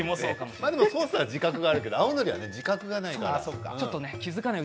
ソースは自覚があるけど青のりは自覚がないからね。